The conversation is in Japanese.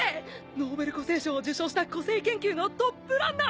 ノーベル個性賞を受賞した個性研究のトップランナー！